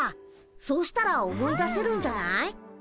そうしたら思い出せるんじゃない？